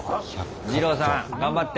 二朗さん頑張って！